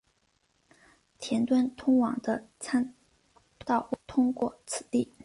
田端通往的参道通过此地。